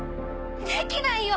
できないよ